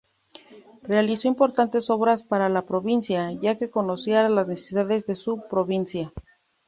Realizó importantes obras para la provincia, ya que conocía las necesidades de su provincia.